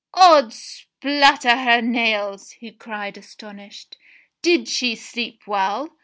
"Odds splutter hur nails!" he cried astonished. "Did she sleep well